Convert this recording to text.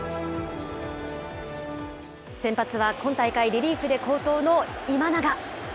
先発は今大会リリーフで好投の今永。